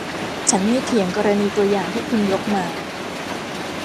ฉันไม่เถียงกรณีตัวอย่างที่คุณยกมา